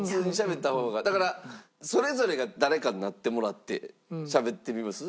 だからそれぞれが誰かになってもらってしゃべってみます？